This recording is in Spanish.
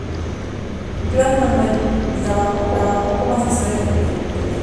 Joan Manuel Gisbert trabajó como asesor en el mundo editorial.